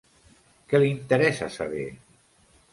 Que li interessa saber?